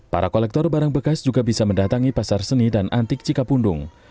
para kolektor barang bekas juga bisa mendatangi pasar seni dan antik cikapundung